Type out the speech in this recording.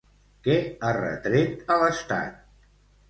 Què ha retret a l'Estat?